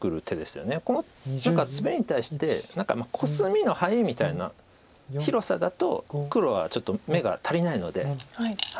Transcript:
このスベリに対してコスミのハイみたいな広さだと黒はちょっと眼が足りないので。